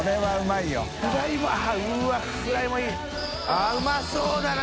あっうまそうだな。